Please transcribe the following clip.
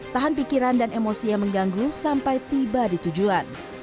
tahan pikiran dan emosi yang mengganggu sampai tiba di tujuan